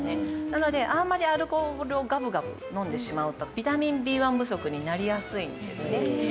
なのであんまりアルコールをガブガブ飲んでしまうとビタミンＢ１不足になりやすいんですね。